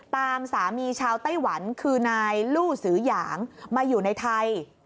ตามสามีชาวไต้หวันคือนายลู่สือหยางมาอยู่ในไทย